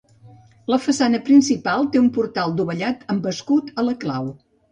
La façana principal té un portal dovellat amb escut a la clau.